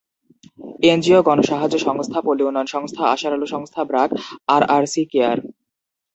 NGO গণসাহায্য সংস্থা, পল্লী উন্নয়ন সংস্থা, আশার আলো সংস্থা, ব্র্যাক, আরআরসি, কেয়ার।